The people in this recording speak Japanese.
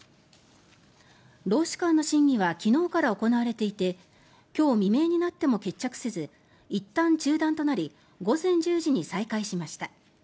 労使間の審議は昨日から行われていて今日未明になっても決着せずいったん中断となり午前１０時に再開しました。